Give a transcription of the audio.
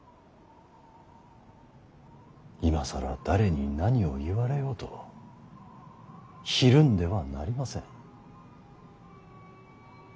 今更誰に何を言われようとひるんではなりません。